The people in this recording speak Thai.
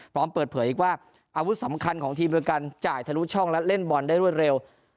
พร้อมเปิดเผยอีกว่าอาวุธสำคัญของทีมเวอร์กันจ่ายทะลุช่องและเล่นบอลได้รวดเร็ว